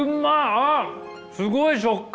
あすごい食感！